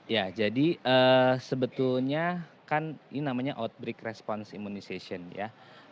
ya jadi sebetulnya kan ini namanya outbreak response immunization ya